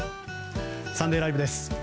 「サンデーＬＩＶＥ！！」です。